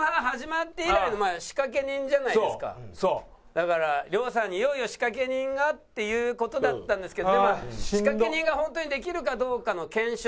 だから亮さんにいよいよ仕掛け人がっていう事だったんですけどでも仕掛け人が本当にできるかどうかの検証。